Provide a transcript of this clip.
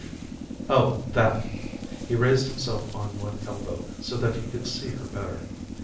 "Oh, that!" He raised himself on one elbow so that he could see her better.